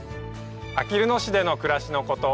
あきる野市での暮らしのこと。